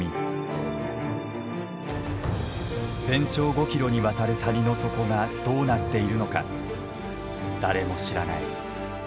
全長５キロにわたる谷の底がどうなっているのか誰も知らない。